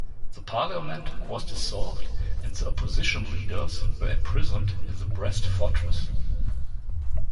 The parliament was dissolved, and the opposition leaders were imprisoned in the Brest Fortress.